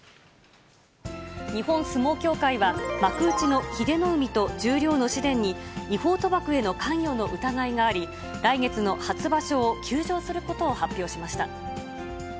日本相撲協会は、幕内の英乃海と十両の紫雷に違法賭博への関与の疑いがあり、来月の初場所を休場することを発表しました。